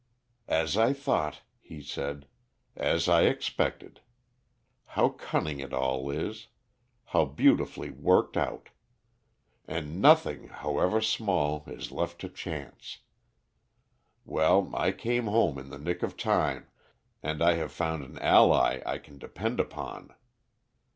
"As I thought," he said, "as I expected. How cunning it all is, how beautifully worked out! And nothing, however small, is left to chance. Well, I came home in the nick of time, and I have found an ally I can depend upon.